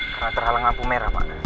karena terhalang lampu merah pak